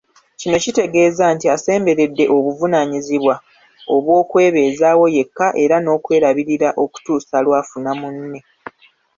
Kino kitegeeza nti asemberedde obuvunaanyizibwa obw'okwebezaawo yekka era n'okwerabirira okutuusa lw'afuna munne.